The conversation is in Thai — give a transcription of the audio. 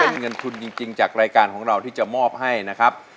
เป็นเงินทุนจริงจากรายการของเราที่จะมอบให้นะครับ